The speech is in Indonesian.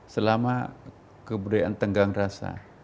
selama kebudayaan tenggang rasa